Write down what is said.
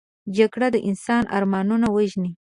جګړه د انسان ارمانونه وژني